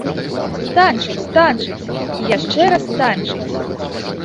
Танчыць, танчыць і яшчэ раз танчыць!